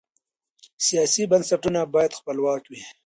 سیاسي بنسټونه باید خپلواک وي